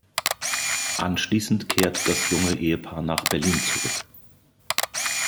Anschließend kehrt das junge Ehepaar nach Berlin zurück.